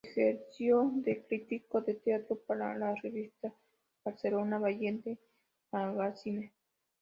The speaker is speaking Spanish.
Ejerció de crítico de teatro para la revista "Barcelona Village Magazine".